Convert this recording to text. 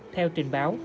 theo trình báo